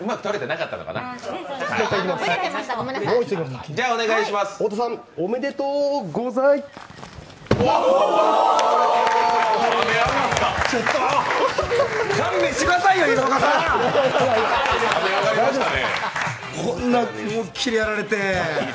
こんな思いっきりやられて。